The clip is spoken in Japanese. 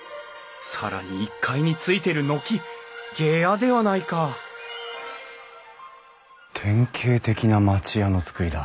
更に１階についてる軒下屋ではないか典型的な町家の造りだ。